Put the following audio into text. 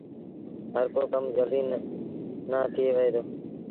هر ڪو ڪم جلديٚ نيٚن ٿئي وهي دو۔